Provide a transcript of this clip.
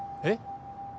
えっ？